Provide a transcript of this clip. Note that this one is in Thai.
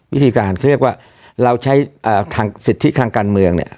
วิธีการคือเรียกว่าเราใช้สิทธิทางการเมือง